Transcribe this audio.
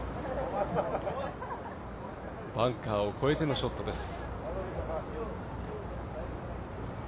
バンカーを越えてのショットです。